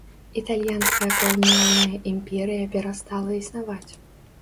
Італьянская каланіяльная імперыя перастала існаваць.